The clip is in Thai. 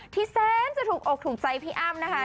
ที่แซมจะถูกอกถูกใจพี่อ้ามนะคะ